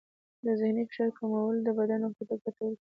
د ذهني فشار کمول د بدن روغتیا ته ګټور دی.